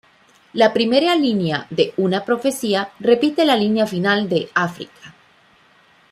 La primera línea de "Una profecía" repite la línea final de "África".